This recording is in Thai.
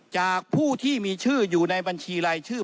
จากผู้ที่มีชื่ออยู่ในบัญชีรายชื่อ